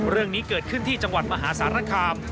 เรื่องนี้เกิดขึ้นที่จังหวัดมหาสารคาม